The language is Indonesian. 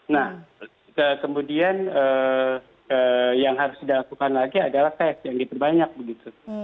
nah kemudian yang harus dilakukan lagi adalah tes yang diperbanyak begitu